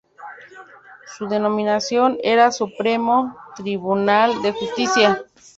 Su denominación era "Supremo Tribunal de Justicia".